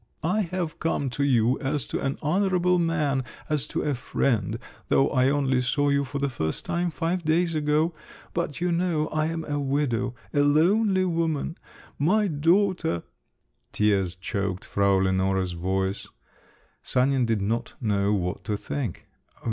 "I have come to you as to an honourable man, as to a friend, though I only saw you for the first time five days ago…. But you know I am a widow, a lonely woman…. My daughter …" Tears choked Frau Lenore's voice. Sanin did not know what to think.